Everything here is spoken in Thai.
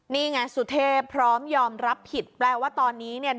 นี่ไงสุเทพพร้อมยอมรับผิดแปลว่าตอนนี้เนี่ย